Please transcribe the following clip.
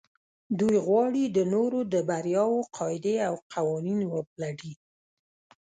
دوی غواړي د نورو د برياوو قاعدې او قوانين وپلټي.